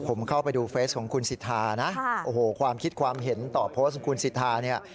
ผมเข้าไปดูเฟสของคุณสิทธานะโอ้โหความคิดความเห็นต่อโพสต์ของคุณสิทธาเนี่ย